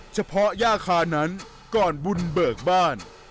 เฉพาะย่าคานั้นก่อนบุญเบิกบ้าน